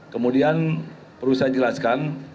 kemudian perlu saya jelaskan